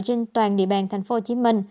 trên toàn địa bàn tp hcm